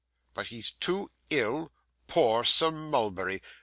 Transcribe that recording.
But he's too ill! Poor Sir Mulberry!